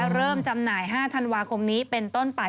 จำหน่าย๕ธันวาคมนี้เป็นต้นไป